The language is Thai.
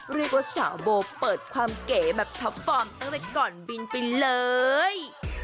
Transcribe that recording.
เรียกว่าสาวโบเปิดความเก๋แบบท็อปฟอร์มตั้งแต่ก่อนบินไปเลย